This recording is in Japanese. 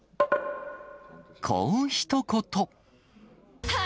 こうひと言。